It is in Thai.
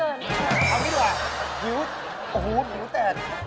เอานี่ดีกว่าผิวหูผิวแตก